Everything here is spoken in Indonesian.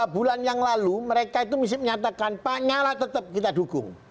dua bulan yang lalu mereka itu masih menyatakan pak lanyala tetap kita dukung